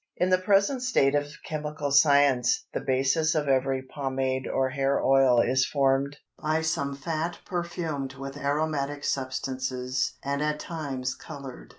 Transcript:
In the present state of chemical science, the basis of every pomade or hair oil is formed by some fat perfumed with aromatic substances and at times colored.